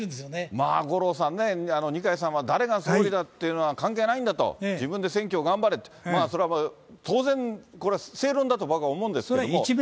まあ、五郎さんね、二階さんは誰が総理だっていうのは関係ないんだと、自分で選挙頑張れと、まあそれは当然これは正論だと僕は思うんですけど。